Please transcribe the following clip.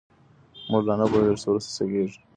موږ لا نه پوهېږو چې وروسته څه کېږي.